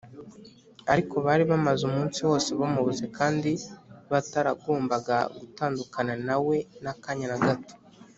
Ariko bari bamaze umunsi wose bamubuze kandi bataragombaga gutandukana na We n’akanya na gato